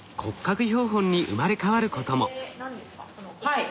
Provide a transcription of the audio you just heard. はい。